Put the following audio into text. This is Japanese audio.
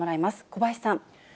小林さん。